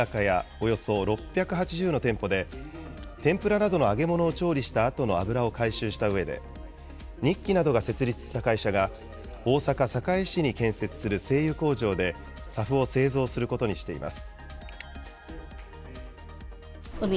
およそ６８０の店舗で、天ぷらなどの揚げ物を調理したあとの油を回収したうえで、日揮などが設立した会社が、大阪・堺市に建設する製油工場でＳＡＦを製造することにしています。